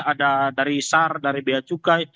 ada dari sar dari bacukai